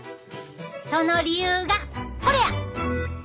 その理由がこれや！